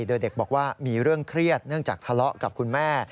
โดยเด็กบอกว่ามีเรื่องเครียดเนื่องจากทะเลาะกับคุณแม่